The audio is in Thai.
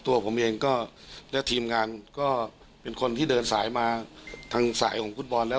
ตัวผมเองก็และทีมงานก็เป็นคนที่เดินสายมาทางสายของฟุตบอลแล้ว